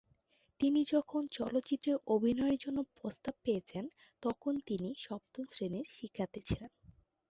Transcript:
তিনি যখন চলচ্চিত্রে অভিনয়ের জন্য প্রস্তাব পেয়েছিলেন, তখন তিনি সপ্তম শ্রেণির শিক্ষার্থী ছিলেন।